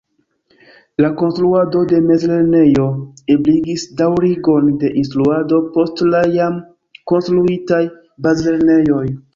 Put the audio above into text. La konstruado de mezlernejo ebligis daŭrigon de instruado post la jam konstruitaj bazlernejoj.